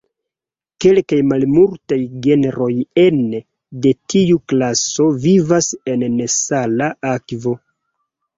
Kelkaj malmultaj genroj ene de tiu klaso vivas en nesala akvo.